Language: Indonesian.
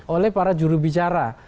oleh para jurubicara